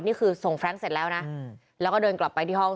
นี่คือส่งแร้งเสร็จแล้วนะแล้วก็เดินกลับไปที่ห้อง